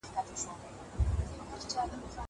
زه اوږده وخت سينه سپين کوم!